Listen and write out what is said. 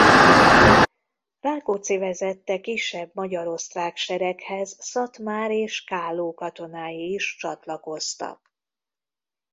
Rákóczi vezette kisebb magyar–osztrák sereghez Szatmár és Kálló katonái is csatlakoztak.